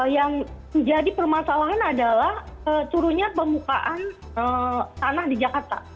yang jadi permasalahan adalah turunnya permukaan tanah di jakarta